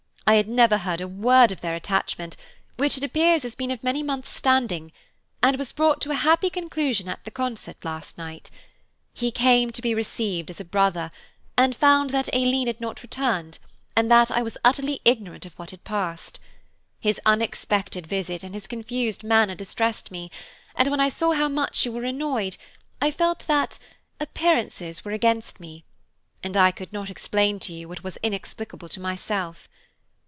I had never heard a word of their attachment, which it appears has been of many months' standing, and was brought to a happy conclusion at the concert last night. He came to be received as a brother, and found that Aileen had not returned, and that I was utterly ignorant of what had occurred. His unexpected visit and his confused manner distressed me, and when I saw how much you were annoyed, I felt that 'appearances were against me,' and I could not explain to you what was inexplicable to myself.